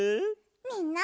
みんな！